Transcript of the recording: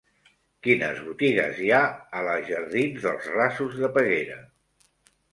Quines botigues hi ha a la jardins dels Rasos de Peguera?